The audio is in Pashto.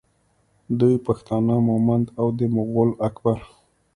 دوی پښتانه مومند او د مغول اکبر